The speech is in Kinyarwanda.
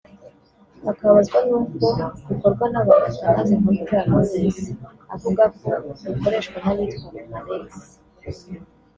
akababazwa n’uko bikorwa n’abantu atanazi nka Butera Knowless avuga ko ikoreshwa n’abitwa Rumalex